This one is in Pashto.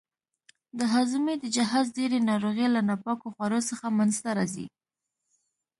د هاضمې د جهاز ډېرې ناروغۍ له ناپاکو خوړو څخه منځته راځي.